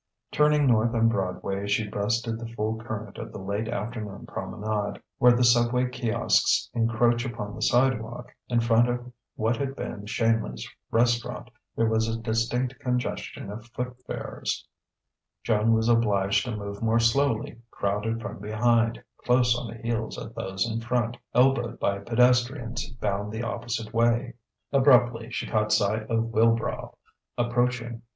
Turning north on Broadway, she breasted the full current of the late afternoon promenade. Where the subway kiosks encroach upon the sidewalk, in front of what had been Shanley's restaurant, there was a distinct congestion of footfarers: Joan was obliged to move more slowly, crowded from behind, close on the heels of those in front, elbowed by pedestrians bound the opposite way. Abruptly she caught sight of Wilbrow, approaching.